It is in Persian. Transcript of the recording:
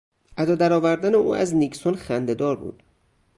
ادا درآوردن او از نیکسون خندهدار بود.